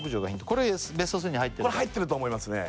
これベスト３にこれ入ってると思いますね